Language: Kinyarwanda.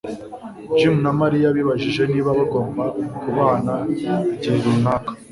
Jim na Mariya bibajije niba bagomba kubana igihe runaka